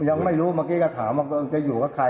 ยังไม่รู้เมื่อกี้ก็ถามว่าจะอยู่กับใคร